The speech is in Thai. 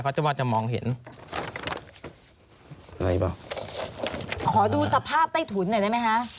ขอดูสภาพใต้ถุนหน่อยได้ไหมคะ